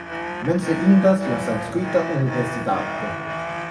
Menciindas la sanskrita universitato.